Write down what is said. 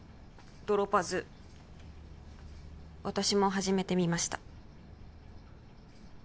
ドロパズ私も始めてみました